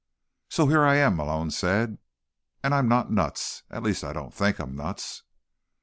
"So here I am," Malone said, "and I'm not nuts. At least I don't think I'm nuts."